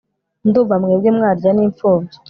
ndumva mwebwe mwarya n'imfubyi